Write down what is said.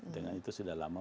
dengan itu sudah lama